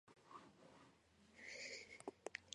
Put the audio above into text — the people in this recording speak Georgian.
ამ დროს იგი მიხვდა ამ ადგილის სტრატეგიულ მნიშვნელობას.